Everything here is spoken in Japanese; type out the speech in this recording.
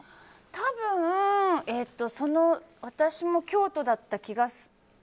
多分、私も京都だった気が。